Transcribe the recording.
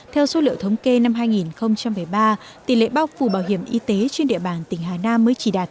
theo số liệu thống kê năm hai nghìn một mươi ba tỷ lệ bao phủ bảo hiểm y tế trên địa bàn tỉnh hà nam mới chỉ đạt